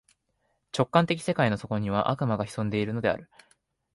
直観的世界の底には、悪魔が潜んでいるのである。